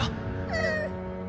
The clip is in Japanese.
うん！